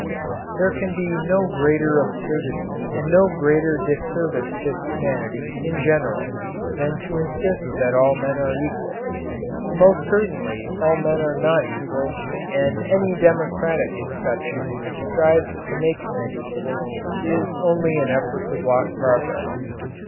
There can be no greater absurdity and no greater disservice to humanity in general than to insist that all men are equal. Most certainly all men are not equal, and any democratic conception which strives to make men equal is only an effort to block progress.